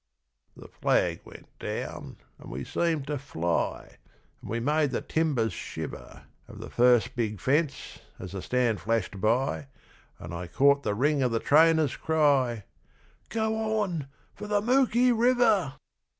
..... The flag went down and we seemed to fly, And we made the timbers shiver Of the first big fence, as the stand flashed by, And I caught the ring of the trainer's cry: 'Go on! For the Mooki River!'